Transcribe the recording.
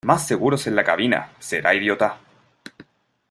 Más seguros en la cabina. Será idiota .